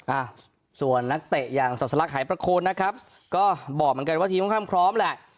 อ่ะส่วนนักเตะอย่างศาสลักหายประโคนนะครับก็บอกเหมือนกันว่าทีมค่อนข้างพร้อมแหละ